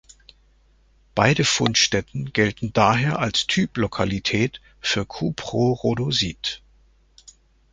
Beide Fundstätten gelten daher als Typlokalität für Cuprorhodsit.